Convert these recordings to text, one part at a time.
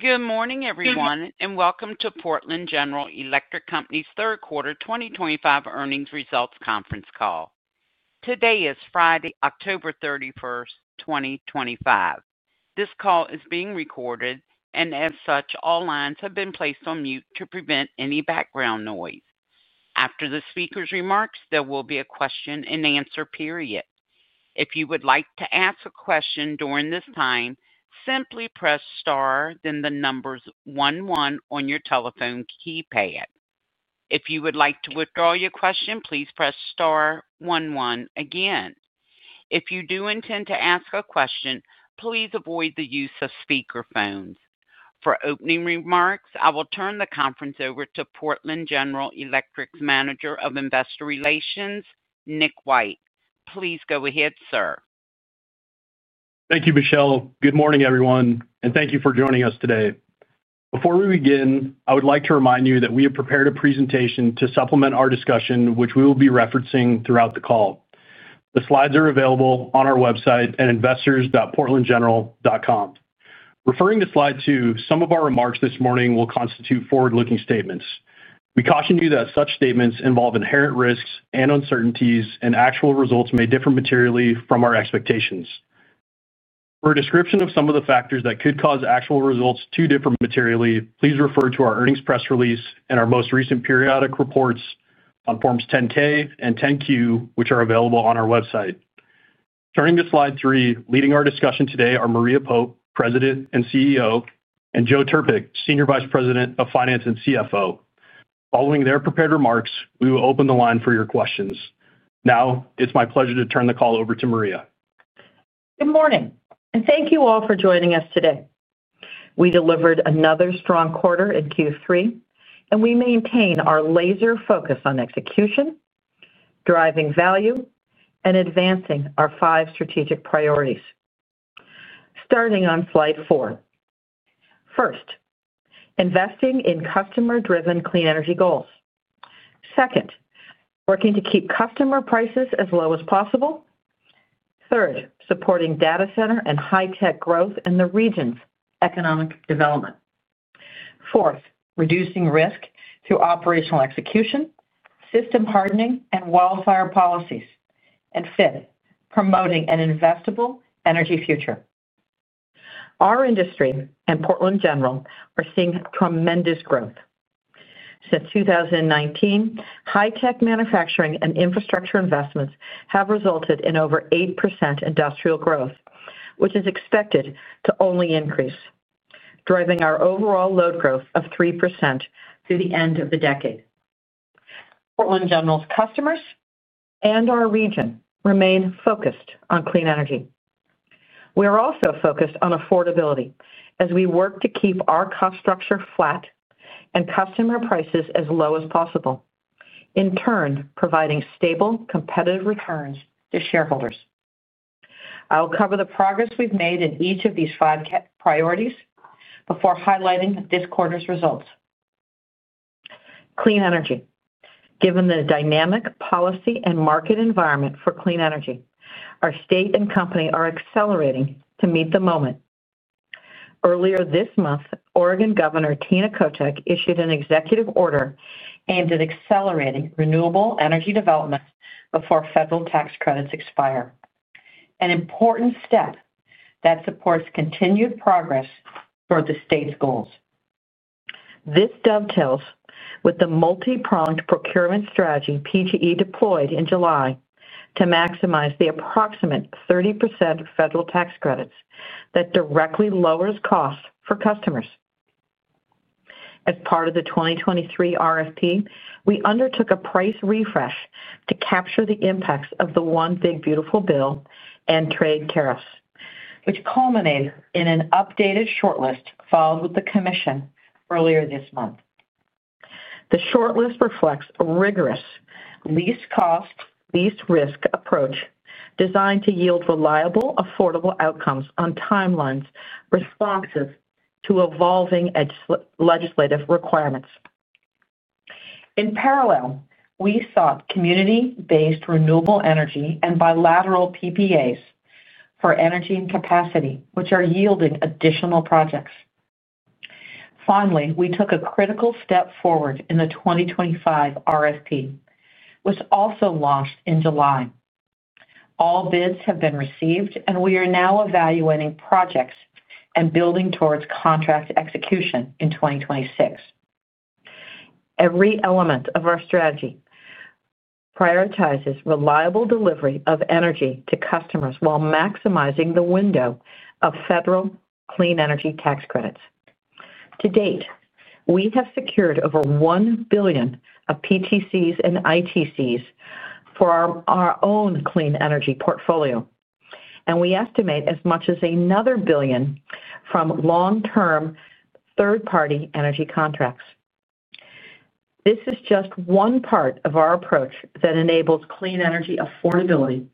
Good morning, everyone, and welcome to Portland General Electric Company's third-quarter 2025 earnings results conference call. Today is Friday, October 31, 2025. This call is being recorded, and as such, all lines have been placed on mute to prevent any background noise. After the speaker's remarks, there will be a question-and-answer period. If you would like to ask a question during this time, simply press star, then the numbers one-one on your telephone keypad. If you would like to withdraw your question, please press star one-one again. If you do intend to ask a question, please avoid the use of speakerphones. For opening remarks, I will turn the conference over to Portland General Electric's Manager of Investor Relations, Nick White. Please go ahead, sir. Thank you, Michelle. Good morning, everyone, and thank you for joining us today. Before we begin, I would like to remind you that we have prepared a presentation to supplement our discussion, which we will be referencing throughout the call. The slides are available on our website at investors.portlandgeneral.com. Referring to slide two, some of our remarks this morning will constitute forward-looking statements. We caution you that such statements involve inherent risks and uncertainties, and actual results may differ materially from our expectations. For a description of some of the factors that could cause actual results to differ materially, please refer to our earnings press release and our most recent periodic reports on Forms 10-K and 10-Q, which are available on our website. Turning to slide three, leading our discussion today are Maria Pope, President and CEO, and Joe Trpik, Senior Vice President of Finance and CFO. Following their prepared remarks, we will open the line for your questions. Now, it's my pleasure to turn the call over to Maria. Good morning, and thank you all for joining us today. We delivered another strong quarter in Q3, and we maintain our laser focus on execution, driving value, and advancing our five strategic priorities. Starting on slide four. First, investing in customer-driven clean energy goals. Second, working to keep customer prices as low as possible. Third, supporting data center and high-tech growth in the region's economic development. Fourth, reducing risk through operational execution, system hardening, and wildfire policies, and fifth, promoting an investable energy future. Our industry and Portland General Electric are seeing tremendous growth. Since 2019, high-tech manufacturing and infrastructure investments have resulted in over 8% industrial growth, which is expected to only increase, driving our overall load growth of 3% through the end of the decade. Portland General Electric's customers and our region remain focused on clean energy. We are also focused on affordability as we work to keep our cost structure flat and customer prices as low as possible, in turn providing stable, competitive returns to shareholders. I'll cover the progress we've made in each of these five priorities before highlighting this quarter's results. Clean energy. Given the dynamic policy and market environment for clean energy, our state and company are accelerating to meet the moment. Earlier this month, Oregon Governor Tina Kotek issued an executive order aimed at accelerating renewable energy development before federal tax credits expire, an important step that supports continued progress toward the state's goals. This dovetails with the multi-pronged procurement strategy PGE deployed in July to maximize the approximate 30% federal tax credits that directly lowers costs for customers. As part of the 2023 RFP, we undertook a price refresh to capture the impacts of the One Big Beautiful Bill and trade tariffs, which culminated in an updated shortlist filed with the Commission earlier this month. The shortlist reflects a rigorous least-cost, least-risk approach designed to yield reliable, affordable outcomes on timelines responsive to evolving legislative requirements. In parallel, we sought community-based renewable energy and bilateral PPAs for energy and capacity, which are yielding additional projects. Finally, we took a critical step forward in the 2025 RFP, which also launched in July. All bids have been received, and we are now evaluating projects and building towards contract execution in 2026. Every element of our strategy prioritizes reliable delivery of energy to customers while maximizing the window of federal clean energy tax credits. To date, we have secured over $1 billion of PTCs and ITCs for our own clean energy portfolio, and we estimate as much as another $1 billion from long-term third-party energy contracts. This is just one part of our approach that enables clean energy affordability,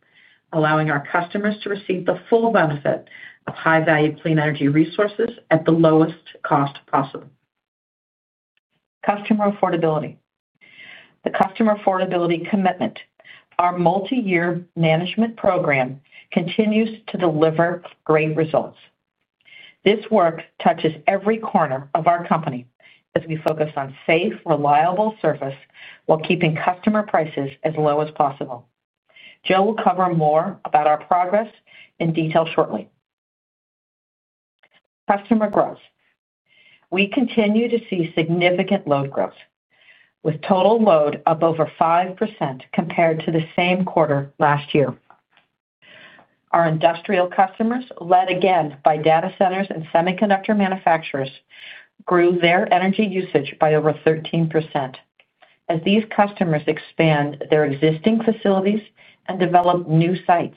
allowing our customers to receive the full benefit of high-value clean energy resources at the lowest cost possible. The customer affordability commitment, our multi-year management program, continues to deliver great results. This work touches every corner of our company as we focus on safe, reliable service while keeping customer prices as low as possible. Joe will cover more about our progress in detail shortly. We continue to see significant load growth, with total load of over 5% compared to the same quarter last year. Our industrial customers, led again by data centers and semiconductor manufacturers, grew their energy usage by over 13% as these customers expand their existing facilities and develop new sites.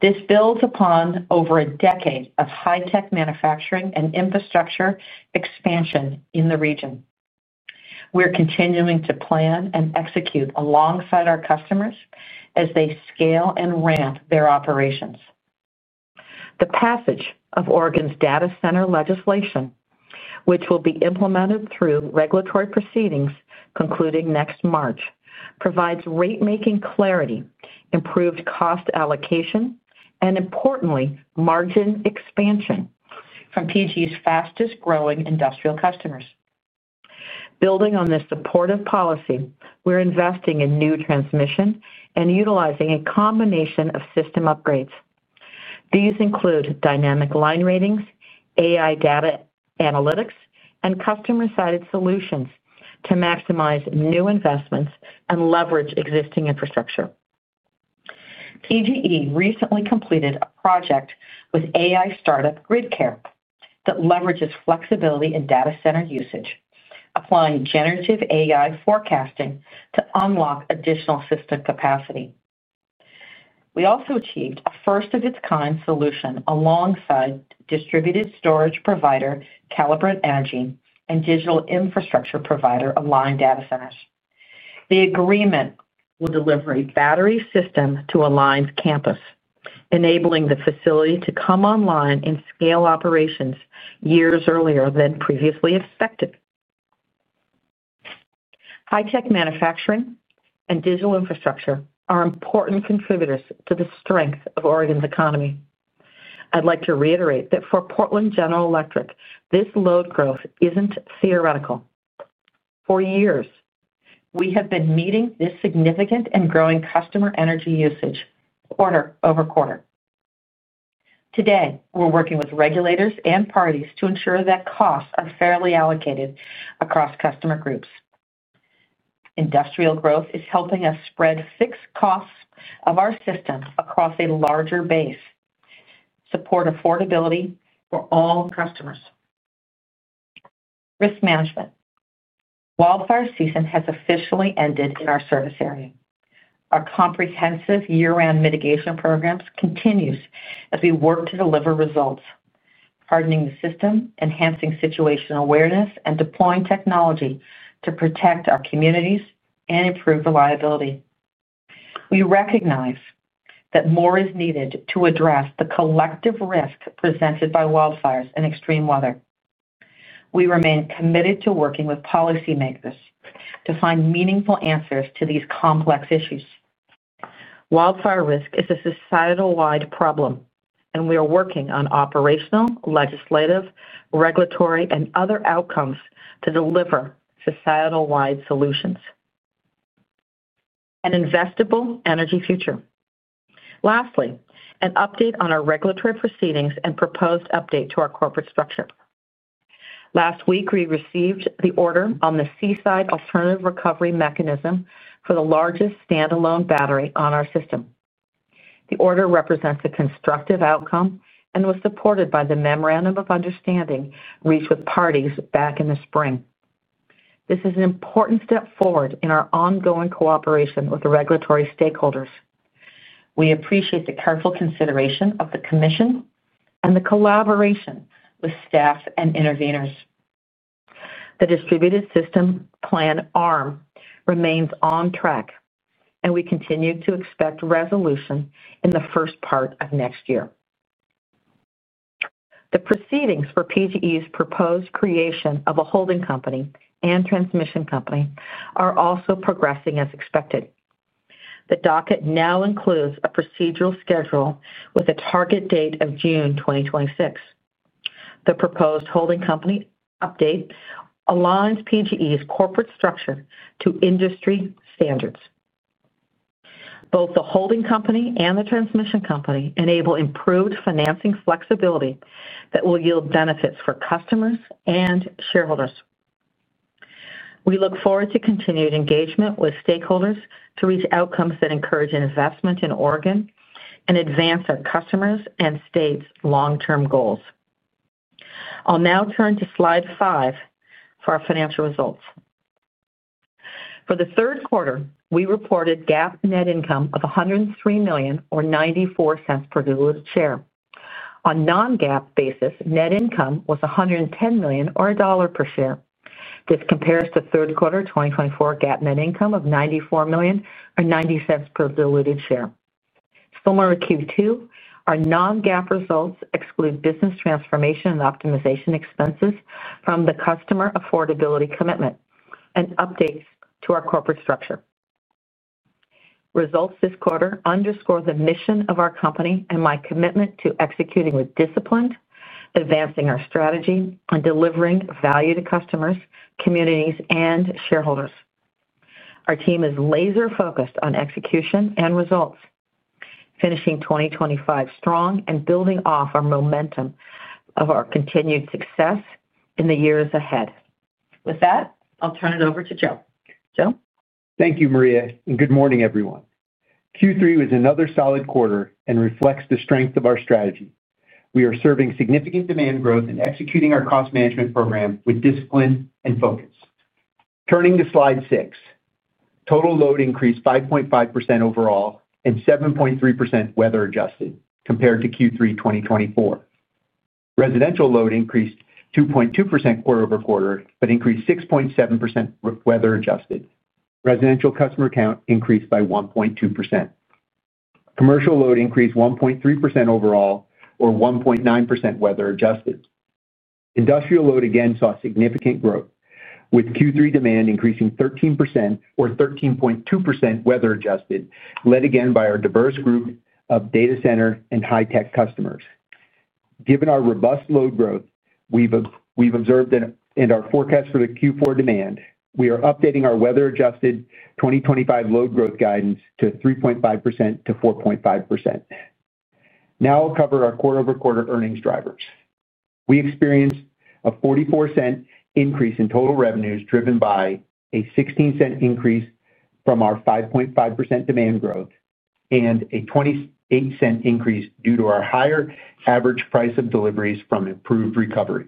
This builds upon over a decade of high-tech manufacturing and infrastructure expansion in the region. We're continuing to plan and execute alongside our customers as they scale and ramp their operations. The passage of Oregon's data center legislation, which will be implemented through regulatory proceedings concluding next March, provides rate-making clarity, improved cost allocation, and importantly, margin expansion from PGE's fastest-growing industrial customers. Building on this supportive policy, we're investing in new transmission and utilizing a combination of system upgrades. These include dynamic line ratings, AI data analytics, and customer-sided solutions to maximize new investments and leverage existing infrastructure. PGE recently completed a project with AI startup GridCARE that leverages flexibility in data center usage, applying generative AI forecasting to unlock additional system capacity. We also achieved a first-of-its-kind solution alongside distributed storage provider Calibrant Energy and digital infrastructure provider Align Data Centers. The agreement will deliver a battery system to Align's campus, enabling the facility to come online and scale operations years earlier than previously expected. High-tech manufacturing and digital infrastructure are important contributors to the strength of Oregon's economy. I'd like to reiterate that for Portland General Electric, this load growth isn't theoretical. For years, we have been meeting this significant and growing customer energy usage quarter over quarter. Today, we're working with regulators and parties to ensure that costs are fairly allocated across customer groups. Industrial growth is helping us spread fixed costs of our system across a larger base, support affordability for all customers. Risk management. Wildfire season has officially ended in our service area. Our comprehensive year-round mitigation programs continue as we work to deliver results, hardening the system, enhancing situational awareness, and deploying technology to protect our communities and improve reliability. We recognize that more is needed to address the collective risk presented by wildfires and extreme weather. We remain committed to working with policymakers to find meaningful answers to these complex issues. Wildfire risk is a societal-wide problem, and we are working on operational, legislative, regulatory, and other outcomes to deliver societal-wide solutions. An investable energy future. Lastly, an update on our regulatory proceedings and proposed update to our corporate structure. Last week, we received the order on the Seaside Alternative Recovery Mechanism for the largest standalone battery on our system. The order represents a constructive outcome and was supported by the memorandum of understanding reached with the parties back in the spring. This is an important step forward in our ongoing cooperation with the regulatory stakeholders. We appreciate the careful consideration of the Commission and the collaboration with staff and interveners. The Distributed System Plan arm remains on track, and we continue to expect resolution in the first part of next year. The proceedings for PGE's proposed creation of a holding company and transmission company are also progressing as expected. The docket now includes a procedural schedule with a target date of June 2026. The proposed holding company update aligns PGE's corporate structure to industry standards. Both the holding company and the transmission company enable improved financing flexibility that will yield benefits for customers and shareholders. We look forward to continued engagement with stakeholders to reach outcomes that encourage investment in Oregon and advance our customers' and state's long-term goals. I'll now turn to slide five for our financial results. For the third quarter, we reported GAAP net income of $103 million, or $0.94 per diluted share. On a non-GAAP basis, net income was $110 million, or $1.00 per share. This compares to third quarter 2024 GAAP net income of $94 million, or $0.90 per diluted share. Similar to Q2, our non-GAAP results exclude business transformation and optimization expenses from the customer affordability commitment and updates to our corporate structure. Results this quarter underscore the mission of our company and my commitment to executing with discipline, advancing our strategy, and delivering value to customers, communities, and shareholders. Our team is laser-focused on execution and results, finishing 2025 strong and building off our momentum of our continued success in the years ahead. With that, I'll turn it over to Joe. Joe. Thank you, Maria, and good morning, everyone. Q3 was another solid quarter and reflects the strength of our strategy. We are serving significant demand growth and executing our cost management program with discipline and focus. Turning to slide six, total load increased 5.5% overall and 7.3% weather-adjusted compared to Q3 2024. Residential load increased 2.2% quarter over quarter but increased 6.7% weather-adjusted. Residential customer count increased by 1.2%. Commercial load increased 1.3% overall, or 1.9% weather-adjusted. Industrial load again saw significant growth, with Q3 demand increasing 13%, or 13.2% weather-adjusted, led again by our diverse group of data center and high-tech customers. Given our robust load growth we've observed in our forecast for the Q4 demand, we are updating our weather-adjusted 2025 load growth guidance to 3.5% to 4.5%. Now I'll cover our quarter-over-quarter earnings drivers. We experienced a $0.44 increase in total revenues driven by a $0.16 increase from our 5.5% demand growth and a $0.28 increase due to our higher average price of deliveries from improved recovery.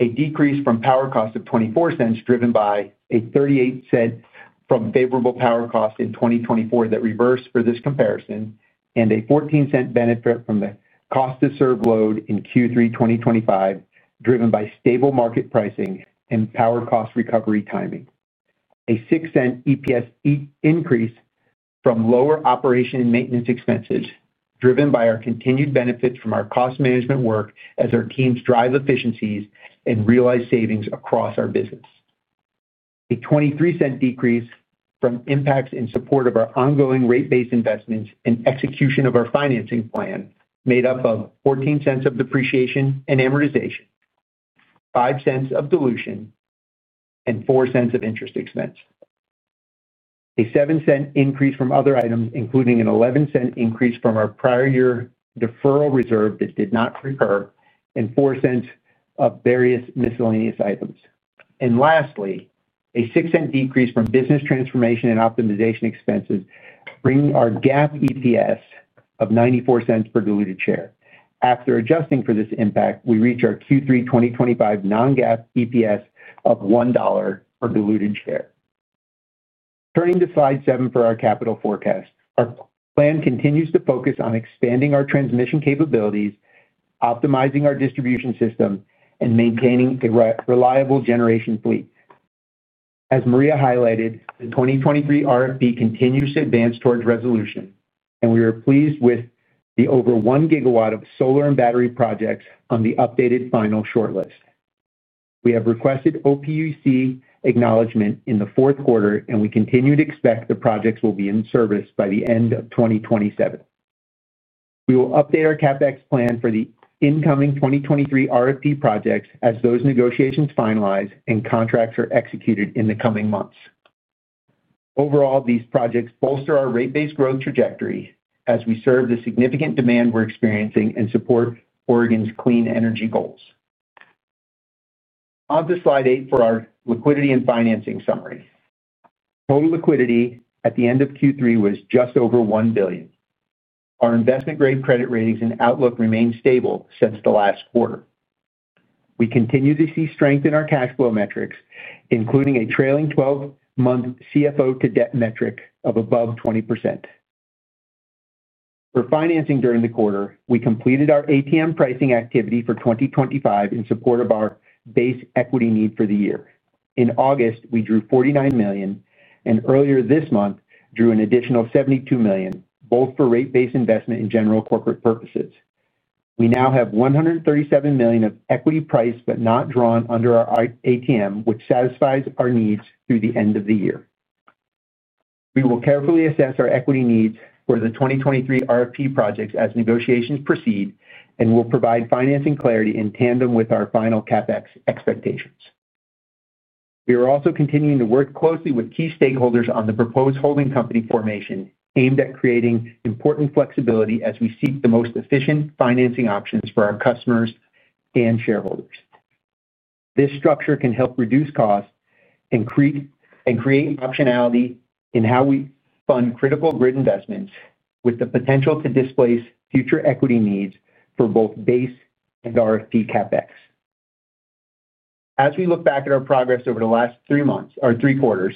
A decrease from power cost of $0.24 driven by a $0.38 from favorable power cost in 2024 that reversed for this comparison, and a $0.14 benefit from the cost-to-serve load in Q3 2025 driven by stable market pricing and power cost recovery timing. A $0.06 EPS increase from lower operation and maintenance expenses driven by our continued benefits from our cost management work as our teams drive efficiencies and realize savings across our business. A $0.23 decrease from impacts in support of our ongoing rate-based investments and execution of our financing plan made up of $0.14 of depreciation and amortization, $0.05 of dilution, and $0.04 of interest expense. A $0.07 increase from other items, including a $0.11 increase from our prior year deferral reserve that did not recur, and $0.04 of various miscellaneous items. Lastly, a $0.06 decrease from business transformation and optimization expenses bringing our GAAP EPS of $0.94 per diluted share. After adjusting for this impact, we reach our Q3 2025 non-GAAP EPS of $1.00 per diluted share. Turning to slide seven for our capital forecast, our plan continues to focus on expanding our transmission capabilities, optimizing our distribution system, and maintaining a reliable generation fleet. As Maria highlighted, the 2023 RFP continues to advance towards resolution, and we are pleased with the over 1 gigawatt of solar and battery projects on the updated final shortlist. We have requested OPUC acknowledgment in the fourth quarter, and we continue to expect the projects will be in service by the end of 2027. We will update our CapEx plan for the incoming 2023 RFP projects as those negotiations finalize and contracts are executed in the coming months. Overall, these projects bolster our rate-based growth trajectory as we serve the significant demand we're experiencing and support Oregon's clean energy goals. Onto slide eight for our liquidity and financing summary. Total liquidity at the end of Q3 was just over $1 billion. Our investment-grade credit ratings and outlook remain stable since the last quarter. We continue to see strength in our cash flow metrics, including a trailing 12-month CFO-to-debt metric of above 20%. For financing during the quarter, we completed our ATM pricing activity for 2025 in support of our base equity need for the year. In August, we drew $49 million, and earlier this month, drew an additional $72 million, both for rate-based investment and general corporate purposes. We now have $137 million of equity priced but not drawn under our ATM, which satisfies our needs through the end of the year. We will carefully assess our equity needs for the 2023 RFP projects as negotiations proceed and will provide financing clarity in tandem with our final CapEx expectations. We are also continuing to work closely with key stakeholders on the proposed holding company formation aimed at creating important flexibility as we seek the most efficient financing options for our customers and shareholders. This structure can help reduce costs and create optionality in how we fund critical grid investments with the potential to displace future equity needs for both base and RFP CapEx. As we look back at our progress over the last three months, or three quarters,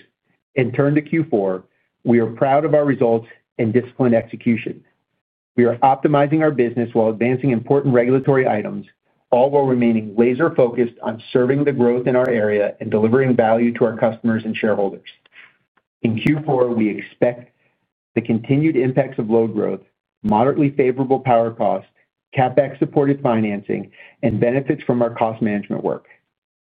and turn to Q4, we are proud of our results and discipline execution. We are optimizing our business while advancing important regulatory items, all while remaining laser-focused on serving the growth in our area and delivering value to our customers and shareholders. In Q4, we expect the continued impacts of load growth, moderately favorable power cost, CapEx-supported financing, and benefits from our cost management work.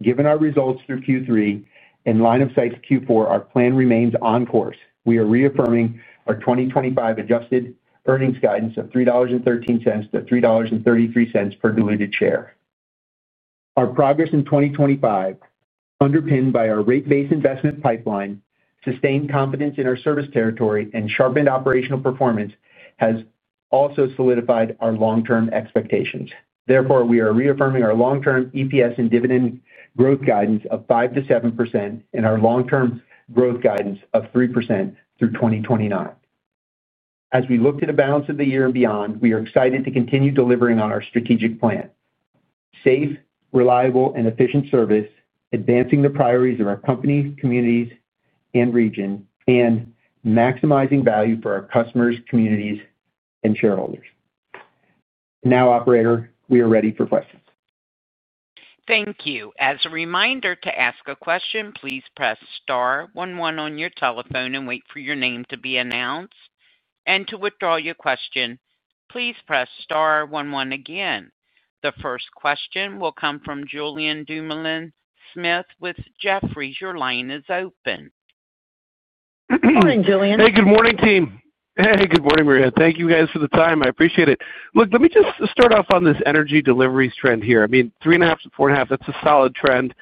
Given our results through Q3 and line of sight to Q4, our plan remains on course. We are reaffirming our 2025 adjusted earnings guidance of $3.13 to $3.33 per diluted share. Our progress in 2025, underpinned by our rate-based investment pipeline, sustained confidence in our service territory, and sharpened operational performance, has also solidified our long-term expectations. Therefore, we are reaffirming our long-term EPS and dividend growth guidance of 5% to 7% and our long-term growth guidance of 3% through 2029. As we look to the balance of the year and beyond, we are excited to continue delivering on our strategic plan: safe, reliable, and efficient service, advancing the priorities of our companies, communities, and region, and maximizing value for our customers, communities, and shareholders. Now, Operator, we are ready for questions. Thank you. As a reminder to ask a question, please press star one one on your telephone and wait for your name to be announced. To withdraw your question, please press star one one again. The first question will come from Julien Dumoulin-Smith with Jefferies. Your line is open. Good morning, Julien Dumoulin-Smith. Good morning, team. Good morning, Maria. Thank you, guys, for the time. I appreciate it. Let me just start off on this energy deliveries trend here. I mean, 3.5%-4.5%, that's a solid trend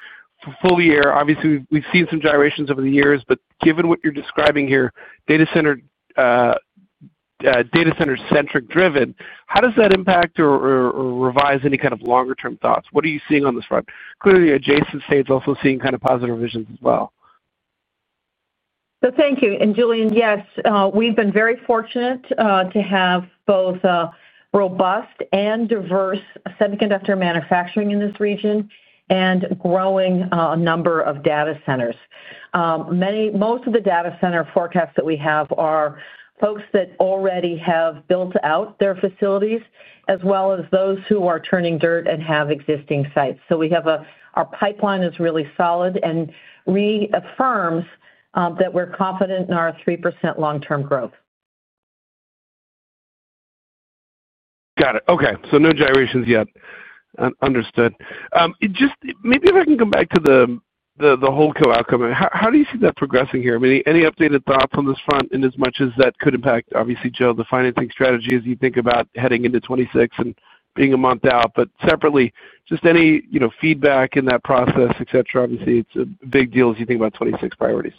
for full year. Obviously, we've seen some gyrations over the years, but given what you're describing here, data center-centric driven, how does that impact or revise any kind of longer-term thoughts? What are you seeing on this front? Clearly, adjacent states also seeing kind of positive revisions as well. Thank you. Julian, yes, we've been very fortunate to have both robust and diverse semiconductor manufacturing in this region and a growing number of data centers. Most of the data center forecasts that we have are folks that already have built out their facilities, as well as those who are turning dirt and have existing sites. Our pipeline is really solid and reaffirms that we're confident in our 3% long-term growth. Got it. Okay. No gyrations yet. Understood. Maybe if I can come back to the holdco outcome, how do you see that progressing here? I mean, any updated thoughts on this front in as much as that could impact, obviously, Joe, the financing strategy as you think about heading into 2026 and being a month out? Separately, just any feedback in that process, etc. Obviously, it's a big deal as you think about 2026 priorities.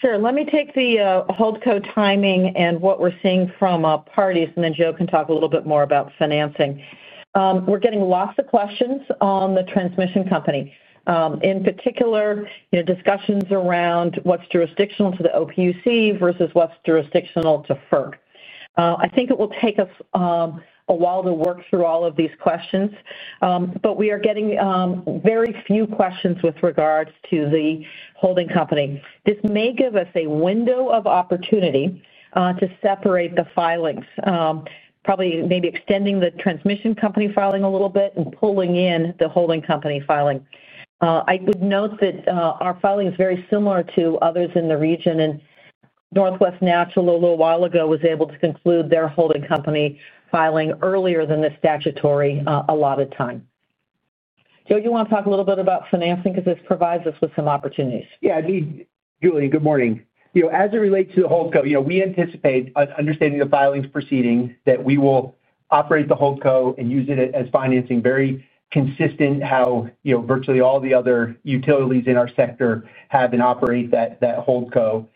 Sure. Let me take the holdco timing and what we're seeing from our parties, and then Joe can talk a little bit more about financing. We're getting lots of questions on the transmission company in particular. Discussions around what's jurisdictional to the OPUC versus what's jurisdictional to FERC. I think it will take us a while to work through all of these questions, but we are getting very few questions with regards to the holding company. This may give us a window of opportunity to separate the filings, probably maybe extending the transmission company filing a little bit and pulling in the holding company filing. I would note that our filing is very similar to others in the region, and Northwest Natural, a little while ago, was able to conclude their holding company filing earlier than the statutory allotted time. Joe, do you want to talk a little bit about financing because this provides us with some opportunities? Yeah. Julien, good morning. As it relates to the holding company, we anticipate, understanding the filings proceeding, that we will operate the holding company and use it as financing very consistent with how virtually all the other utilities in our sector have been operating that holding company.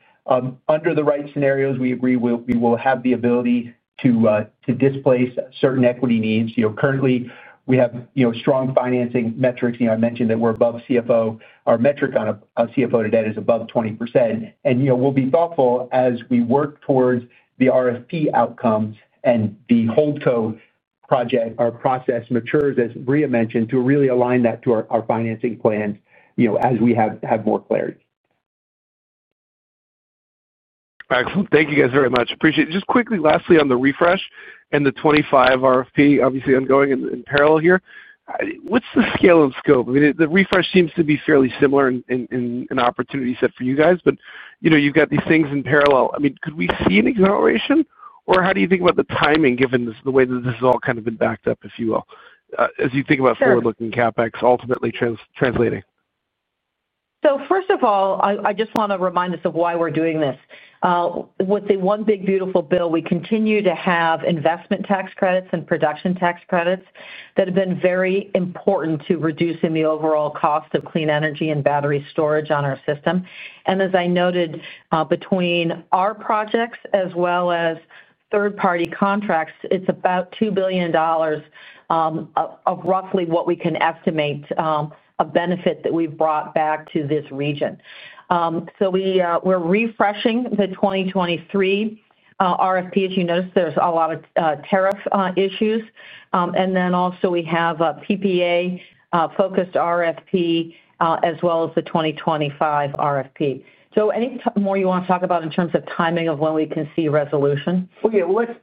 Under the right scenarios, we agree we will have the ability to displace certain equity needs. Currently, we have strong financing metrics. I mentioned that we're above CFO. Our metric on CFO today is above 20%. We'll be thoughtful as we work towards the RFP outcomes and the holding company project or process matures, as Maria mentioned, to really align that to our financing plans as we have more clarity. Excellent. Thank you guys very much. Appreciate it. Just quickly, lastly, on the refresh and the 2025 RFP, obviously ongoing in parallel here, what's the scale and scope? I mean, the refresh seems to be fairly similar in opportunity set for you guys, but you've got these things in parallel. I mean, could we see an acceleration, or how do you think about the timing given the way that this has all kind of been backed up, if you will, as you think about forward-looking CapEx ultimately translating? First of all, I just want to remind us of why we're doing this. With the one big beautiful bill, we continue to have investment tax credits and production tax credits that have been very important to reducing the overall cost of clean energy and battery storage on our system. As I noted, between our projects as well as third-party contracts, it's about $2 billion of roughly what we can estimate a benefit that we've brought back to this region. We're refreshing the 2023 RFP. As you noticed, there's a lot of tariff issues. We have a PPA-focused RFP as well as the 2025 RFP. Joe, any more you want to talk about in terms of timing of when we can see resolution?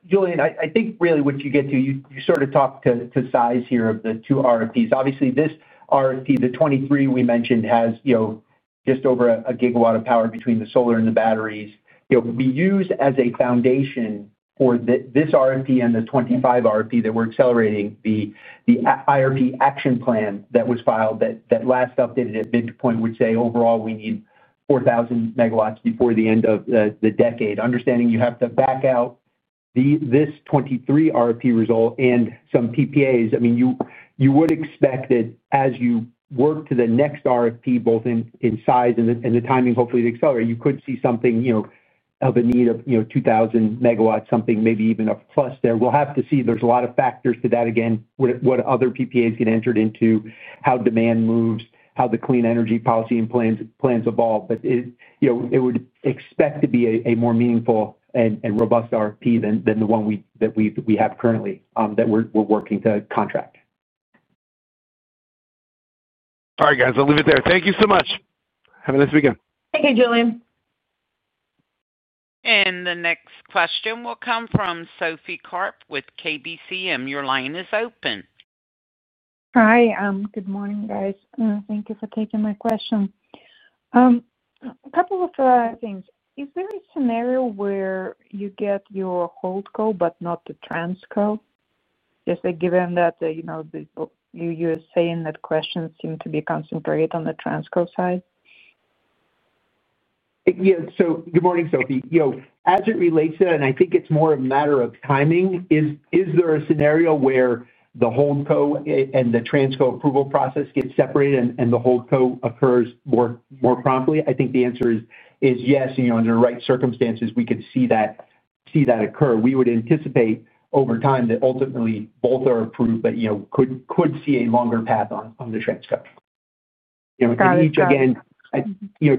Julien, I think really what you get to, you sort of talked to size here of the two RFPs. Obviously, this RFP, the 2023 we mentioned, has just over a gigawatt of power between the solar and the batteries. We use as a foundation for this RFP and the 2025 RFP that we're accelerating the IRP action plan that was filed that last updated at midpoint would say overall we need 4,000 MW before the end of the decade. Understanding you have to back out. This 2023 RFP result and some PPAs. I mean, you would expect that as you work to the next RFP, both in size and the timing, hopefully to accelerate, you could see something of a need of 2,000 MW, something maybe even a plus there. We'll have to see. There's a lot of factors to that, again, what other PPAs get entered into, how demand moves, how the clean energy policy and plans evolve. It would expect to be a more meaningful and robust RFP than the one that we have currently that we're working to contract. All right, guys. I'll leave it there. Thank you so much. Have a nice weekend. Thank you, Julien. The next question will come from Sophie Karp with KBCM. Your line is open. Hi. Good morning, guys. Thank you for taking my question. A couple of things. Is there a scenario where you get your holding company but not the transmission company? Just given that you're saying that questions seem to be concentrated on the transmission company side? Good morning, Sophie. As it relates to that, and I think it's more a matter of timing, is there a scenario where the holdco and the transco approval process gets separated and the holdco occurs more promptly? I think the answer is yes. Under the right circumstances, we could see that occur. We would anticipate over time that ultimately both are approved, but could see a longer path on the transco.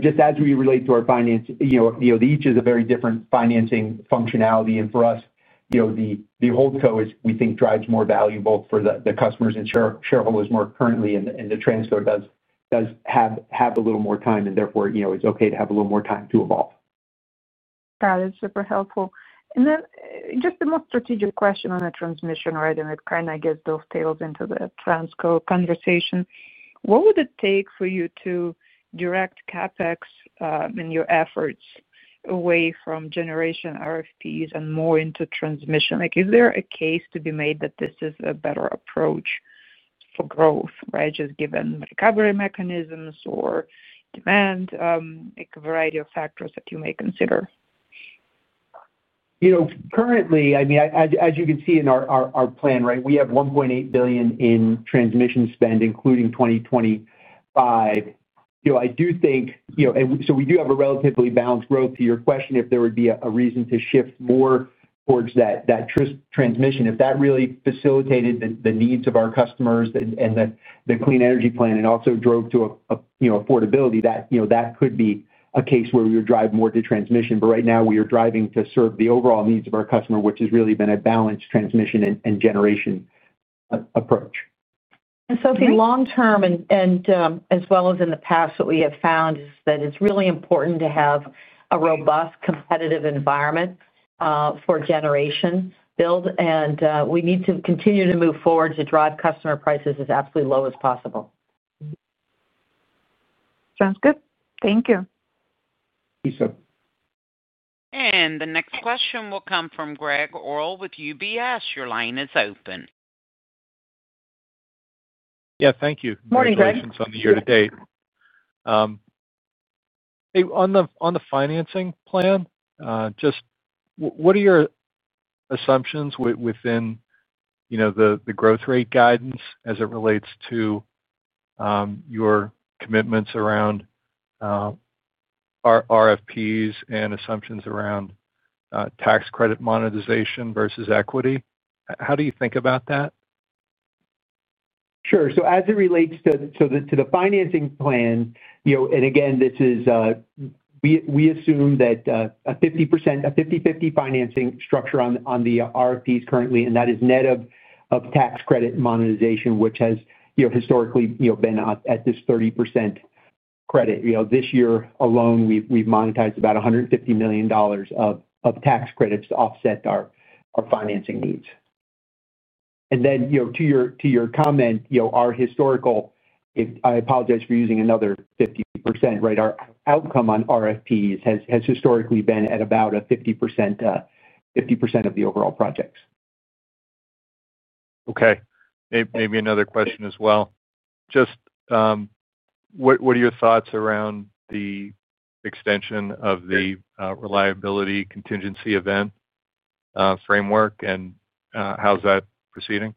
Just as we relate to our finance, each is a very different financing functionality. For us, the holdco, we think, drives more value both for the customers and shareholders more currently, and the transco does have a little more time. Therefore, it's okay to have a little more time to evolve. That is super helpful. Just the most strategic question on the transmission, right? It kind of gets those tails into the transmission company conversation. What would it take for you to direct CapEx and your efforts away from generation RFPs and more into transmission? Is there a case to be made that this is a better approach for growth, right, just given recovery mechanisms or demand, a variety of factors that you may consider? Currently, as you can see in our plan, we have $1.8 billion in transmission spend, including 2025. I do think we have a relatively balanced growth to your question, if there would be a reason to shift more towards that transmission. If that really facilitated the needs of our customers and the clean energy plan and also drove to affordability, that could be a case where we would drive more to transmission. Right now, we are driving to serve the overall needs of our customer, which has really been a balanced transmission and generation approach. Long-term, and as well as in the past, what we have found is that it's really important to have a robust competitive environment for generation build. We need to continue to move forward to drive customer prices as absolutely low as possible. Sounds good. Thank you. Thanks, Sophie. The next question will come from Gregg Orrill with UBS. Your line is open. Thank you. Good morning, Gregg. For questions on the year-to-date, on the financing plan, just what are your assumptions within the growth rate guidance as it relates to your commitments around RFPs and assumptions around tax credit monetization versus equity? How do you think about that? Sure. As it relates to the financing plan, this is. We assume a 50/50 financing structure on the RFPs currently, and that is net of tax credit monetization, which has historically been at this 30% credit. This year alone, we've monetized about $150 million of tax credits to offset our financing needs. To your comment, our historical—I apologize for using another 50%, right?—our outcome on RFPs has historically been at about a 50% of the overall projects. Okay. Maybe another question as well. What are your thoughts around the extension of the reliability contingency event framework, and how's that proceeding?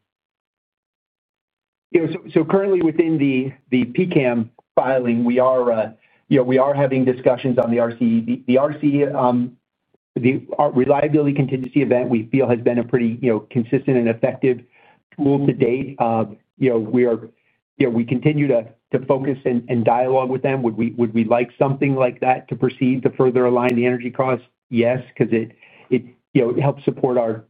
Currently, within the PCAM filing, we are having discussions on the RCE. The reliability contingency event we feel has been a pretty consistent and effective tool to date. We continue to focus and dialogue with them. Would we like something like that to proceed to further align the energy cost? Yes, because it helps support our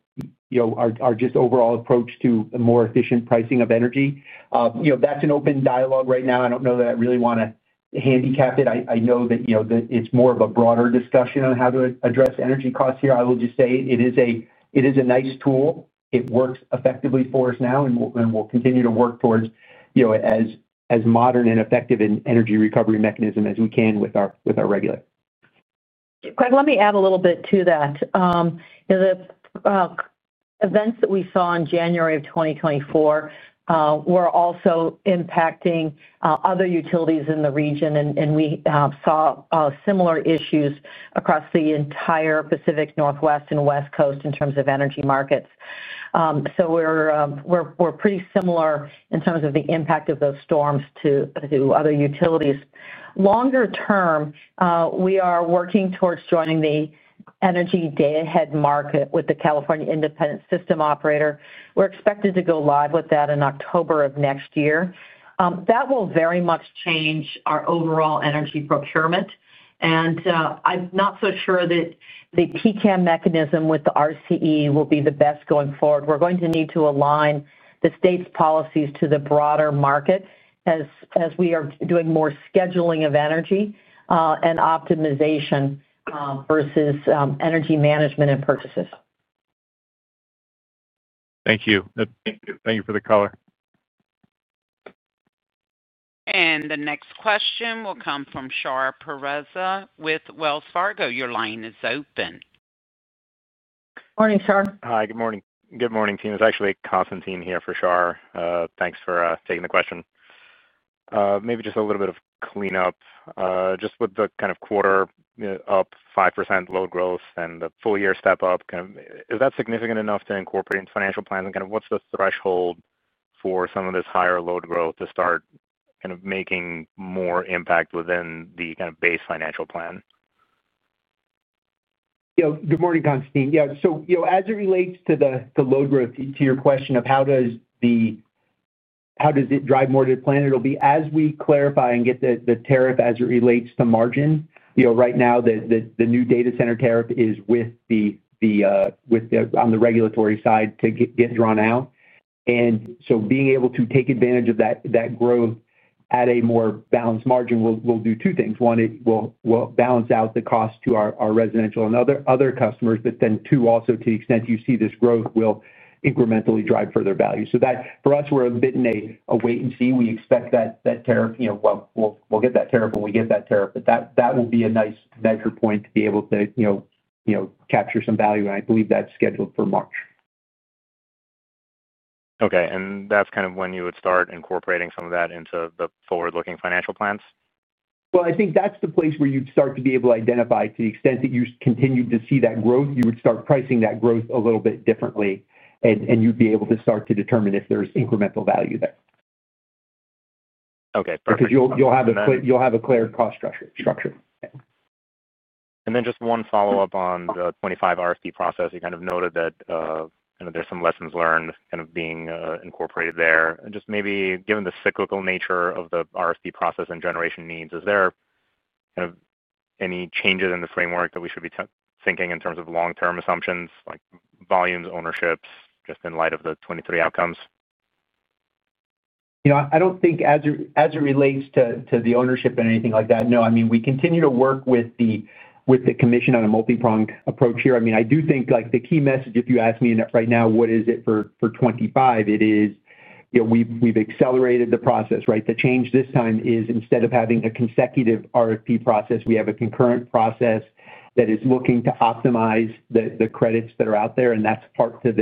overall approach to a more efficient pricing of energy. That's an open dialogue right now. I don't know that I really want to handicap it. I know that it's more of a broader discussion on how to address energy costs here. I will just say it is a nice tool. It works effectively for us now, and we'll continue to work towards it as modern and effective an energy recovery mechanism as we can with our regulator. Greg, let me add a little bit to that. The events that we saw in January of 2024 were also impacting other utilities in the region, and we saw similar issues across the entire Pacific Northwest and West Coast in terms of energy markets. We're pretty similar in terms of the impact of those storms to other utilities. Longer term, we are working towards joining the energy day-ahead market with the California Independent System Operator. We're expected to go live with that in October of next year. That will very much change our overall energy procurement. I'm not so sure that the PCAM mechanism with the RCE will be the best going forward. We're going to need to align the state's policies to the broader market as we are doing more scheduling of energy and optimization versus energy management and purchases. Thank you. Thank you for the caller. The next question will come from Shar Pourreza with Wells Fargo. Your line is open. Morning, Shar. Hi. Good morning. Good morning, team. It's actually Constantin here for Shar. Thanks for taking the question. Maybe just a little bit of cleanup. Just with the kind of quarter-up 5% load growth and the full-year step-up, is that significant enough to incorporate into financial plans? What's the threshold for some of this higher load growth to start making more impact within the base financial plan? Good morning, Constantin. Yeah. As it relates to the load growth, to your question of how does it drive more to the plan, it'll be as we clarify and get the tariff as it relates to margin. Right now, the new data center tariff is on the regulatory side to get drawn out. Being able to take advantage of that growth at a more balanced margin will do two things. One, it will balance out the cost to our residential and other customers. Two, also to the extent you see this growth, it will incrementally drive further value. For us, we're a bit in a wait and see. We expect that tariff. We'll get that tariff when we get that tariff. That will be a nice measure point to be able to capture some value. I believe that's scheduled for March. Okay, that's kind of when you would start incorporating some of that into the forward-looking financial plans? I think that's the place where you'd start to be able to identify to the extent that you continue to see that growth, you would start pricing that growth a little bit differently, and you'd be able to start to determine if there's incremental value there. Okay. Perfect. Because you'll have a clear cost structure. Just one follow-up on the 2025 RFP process. You noted that there's some lessons learned being incorporated there. Given the cyclical nature of the RFP process and generation needs, is there any changes in the framework that we should be thinking in terms of long-term assumptions, like volumes, ownerships, just in light of the 2023 outcomes? I don't think as it relates to the ownership and anything like that, no. I mean, we continue to work with the Commission on a multi-pronged approach here. I do think the key message, if you ask me right now, what is it for 2025? It is we've accelerated the process, right? The change this time is instead of having a consecutive RFP process, we have a concurrent process that is looking to optimize the credits that are out there. That's part of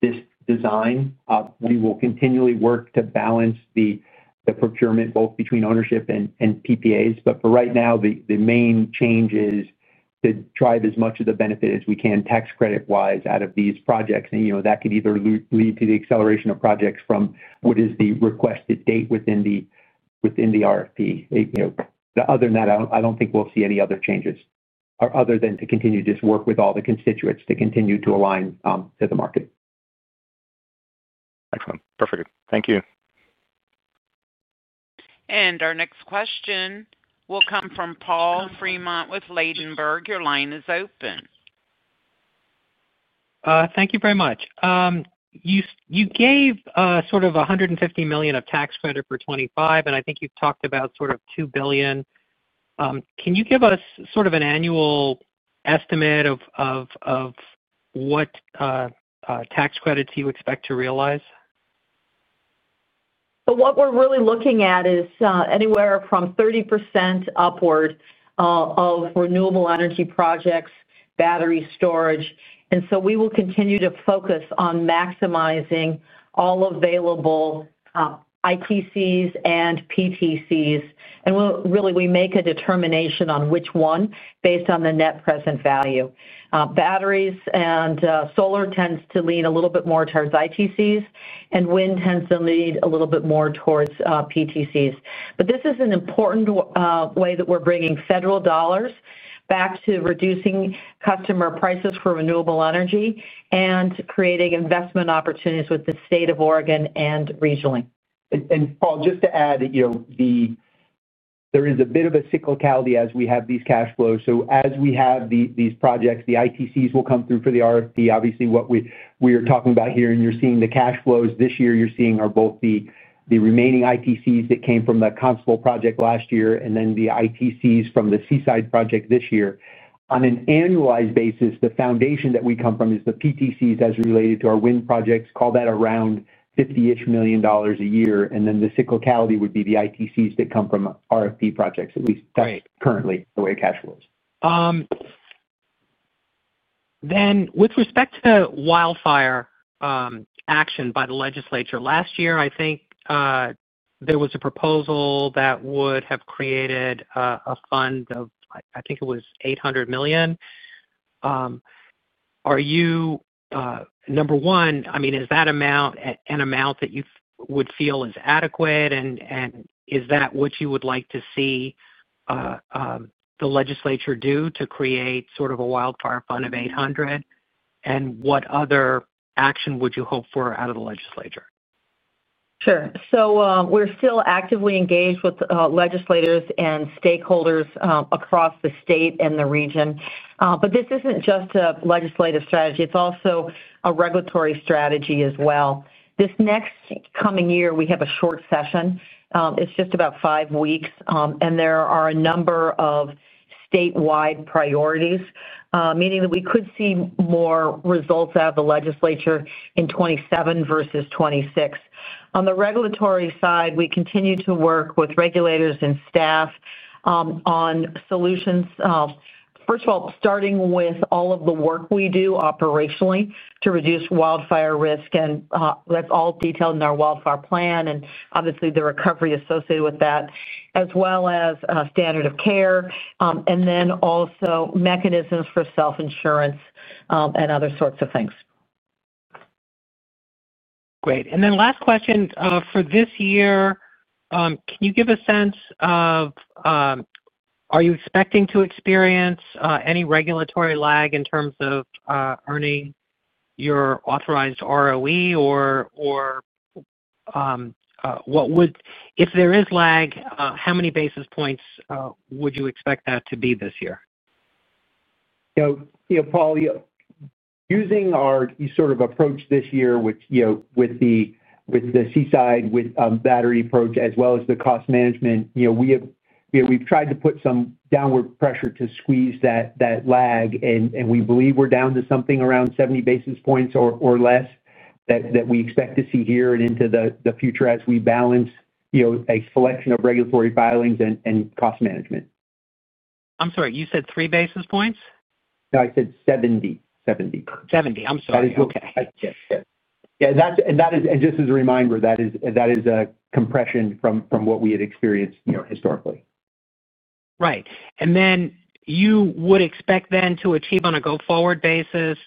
this design. We will continually work to balance the procurement both between ownership and PPAs. For right now, the main change is to drive as much of the benefit as we can tax credit-wise out of these projects. That can either lead to the acceleration of projects from what is the requested date within the RFP. Other than that, I don't think we'll see any other changes other than to continue to just work with all the constituents to continue to align to the market. Excellent. Perfect. Thank you. Our next question will come from Paul Fremont with Ladenburg. Your line is open. Thank you very much. You gave sort of $150 million of tax credit for 2025, and I think you've talked about sort of $2 billion. Can you give us sort of an annual estimate of what tax credits you expect to realize? What we're really looking at is anywhere from 30% upward of renewable energy projects, battery storage. We will continue to focus on maximizing all available ITCs and PTCs. We make a determination on which one based on the net present value. Batteries and solar tends to lean a little bit more towards ITCs, and wind tends to lean a little bit more towards PTCs. This is an important way that we're bringing federal dollars back to reducing customer prices for renewable energy and creating investment opportunities with the state of Oregon and regionally. Paul, just to add that, there is a bit of a cyclicality as we have these cash flows. As we have these projects, the ITCs will come through for the RFP. Obviously, what we are talking about here, and you're seeing the cash flows this year, are both the remaining ITCs that came from the Constable project last year and then the ITCs from the Seaside project this year. On an annualized basis, the foundation that we come from is the PTCs as related to our wind projects, call that around $50 million a year. The cyclicality would be the ITCs that come from RFP projects, at least. That's currently the way cash flows. With respect to wildfire, action by the legislature last year, I think there was a proposal that would have created a fund of $800 million. Is that an amount that you would feel is adequate, and is that what you would like to see the legislature do to create sort of a wildfire fund of $800 million? What other action would you hope for out of the legislature? Sure. We're still actively engaged with legislators and stakeholders across the state and the region. This isn't just a legislative strategy. It's also a regulatory strategy as well. This next coming year, we have a short session. It's just about five weeks. There are a number of statewide priorities, meaning that we could see more results out of the legislature in 2027 versus 2026. On the regulatory side, we continue to work with regulators and staff on solutions. First of all, starting with all of the work we do operationally to reduce wildfire risk. That's all detailed in our wildfire plan, and obviously, the recovery associated with that, as well as standard of care, and then also mechanisms for self-insurance and other sorts of things. Great. Last question for this year, can you give a sense of whether you are expecting to experience any regulatory lag in terms of earning your authorized ROE? If there is lag, how many basis points would you expect that to be this year? Using our sort of approach this year with the Seaside battery approach as well as the cost management, we've tried to put some downward pressure to squeeze that lag. We believe we're down to something around 70 basis points or less that we expect to see here and into the future as we balance a selection of regulatory filings and cost management. I'm sorry. You said 3 basis points? No, I said 70 basis points. 70 basis points. I'm sorry. Okay. Yes. Just as a reminder, that is a compression from what we had experienced historically. Right. You would expect then to achieve on a go-forward basis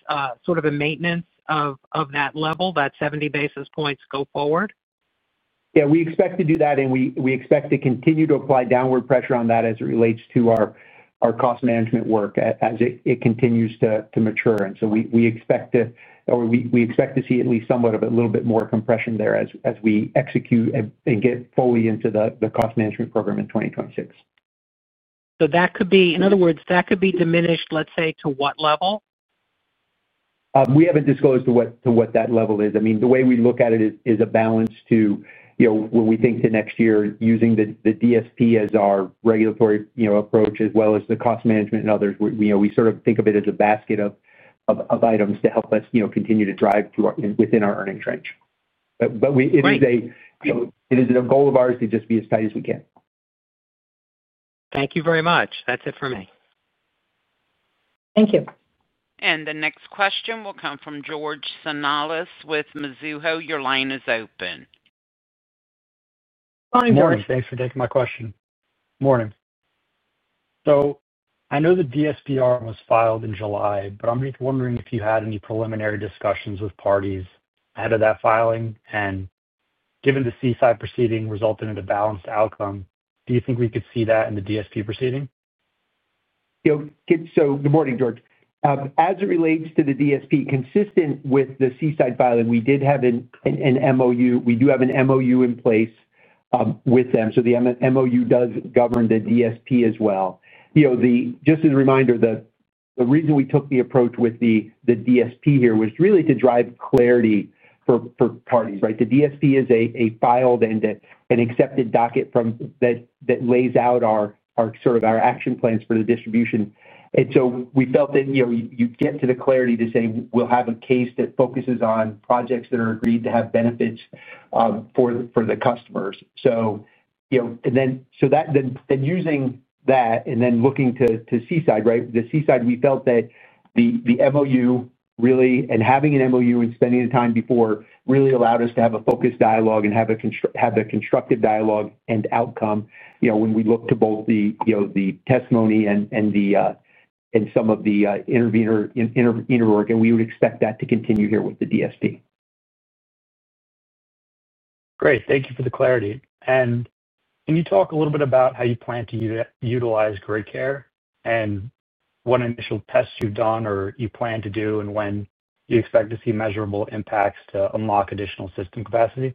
sort of a maintenance of that level, that 70 basis points go forward? Yeah. We expect to do that. We expect to continue to apply downward pressure on that as it relates to our cost management work as it continues to mature. We expect to see at least somewhat of a little bit more compression there as we execute and get fully into the cost management program in 2026. That could be, in other words, that could be diminished, let's say, to what level? We haven't disclosed to what that level is. I mean, the way we look at it is a balance too. Where we think to next year using the DSP as our regulatory approach as well as the cost management and others. We sort of think of it as a basket of items to help us continue to drive within our earnings range. It is a goal of ours to just be as tight as we can. Thank you very much. That's it for me. Thank you. The next question will come from George Sanoulis with Mizuho. Your line is open. Morning, George. Thanks for taking my question. Morning. I know the DSP was filed in July, but I'm just wondering if you had any preliminary discussions with parties ahead of that filing. Given the Seaside proceeding resulted in a balanced outcome, do you think we could see that in the Distributed System Plan proceeding? Good morning, George. As it relates to the DSP consistent with the Seaside filing, we did have an MOU. We do have an MOU in place with them. The MOU does govern the DSP as well. POV, just as a reminder, the reason we took the approach with the DSP here was really to drive clarity for parties, right? The DSP is a filed and accepted docket that lays out sort of our action plans for the distribution. We felt that you get to the clarity to say we'll have a case that focuses on projects that are agreed to have benefits for the customers. Using that and then looking to Seaside, the Seaside, we felt that the MOU really and having an MOU and spending the time before really allowed us to have a focused dialogue and have a constructive dialogue and outcome when we look to both the testimony and some of the intervenor interwork. We would expect that to continue here with the DSP. Great. Thank you for the clarity. Can you talk a little bit about how you plan to utilize GridCARE, what initial tests you've done or you plan to do, and when you expect to see measurable impacts to unlock additional system capacity?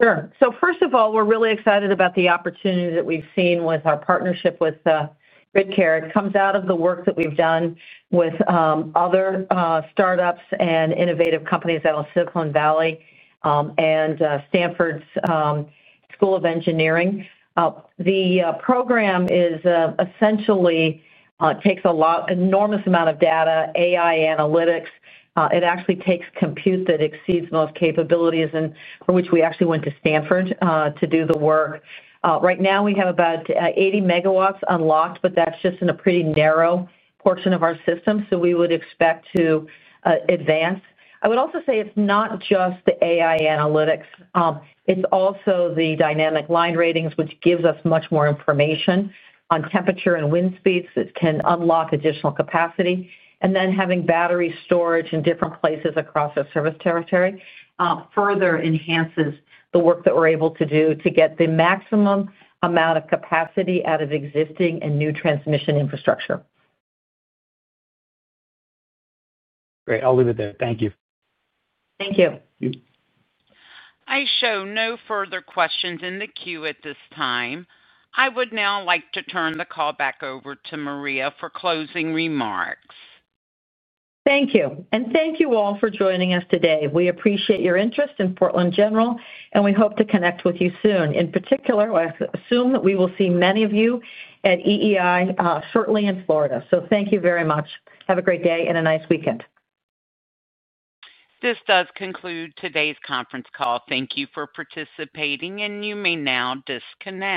Sure. First of all, we're really excited about the opportunity that we've seen with our partnership with GridCARE. It comes out of the work that we've done with other startups and innovative companies out of Silicon Valley and Stanford School of Engineering. The program essentially takes an enormous amount of data, AI analytics. It actually takes compute that exceeds most capabilities and for which we actually went to Stanford to do the work. Right now, we have about 80 MW unlocked, but that's just in a pretty narrow portion of our system. We would expect to advance. I would also say it's not just the AI analytics. It's also the dynamic line ratings, which gives us much more information on temperature and wind speeds that can unlock additional capacity. Having battery storage in different places across our service territory further enhances the work that we're able to do to get the maximum amount of capacity out of existing and new transmission infrastructure. Great. I'll leave it there. Thank you. Thank you. I show no further questions in the queue at this time. I would now like to turn the call back over to Maria for closing remarks. Thank you. Thank you all for joining us today. We appreciate your interest in Portland General, and we hope to connect with you soon. In particular, I assume that we will see many of you at EEI shortly in Florida. Thank you very much. Have a great day and a nice weekend. This does conclude today's conference call. Thank you for participating, and you may now disconnect.